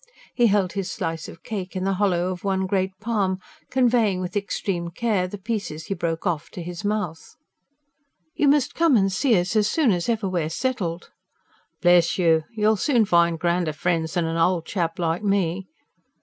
He held his slice of cake in the hollow of one great palm, conveying with extreme care the pieces he broke off to his mouth. "You must come and see us, as soon as ever we're settled." "Bless you! You'll soon find grander friends than an old chap like me."